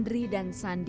di bagian ini